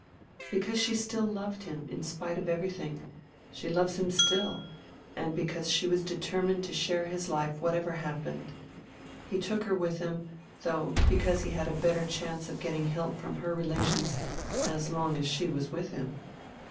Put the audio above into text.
"Because she still loved him, in spite of everything she loves him still and because she was determined to share his life whatever happened. He took her with him, though, because he had a better chance of getting help from her relations as long as she was with him.